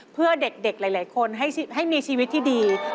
เพื่อเด็กหลายคนให้มีชีวิตที่ดี